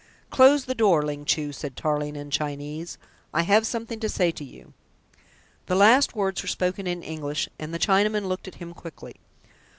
"Close the door, Ling Chu," said Tarling in Chinese. "I have something to say to you." The last words were spoken in English, and the Chinaman looked at him quickly.